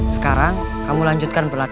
sekarang kamu lanjutkan perjalanan